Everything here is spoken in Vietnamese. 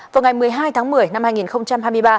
vào ngày một mươi hai tháng một mươi năm hai nghìn hai mươi ba